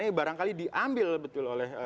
ini barangkali diambil betul oleh